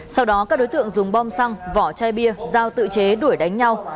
sau đó các đối tượng dùng bom xăng vỏ chai bia dao tự chế đuổi đánh nhau